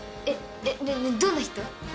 えっどんな人？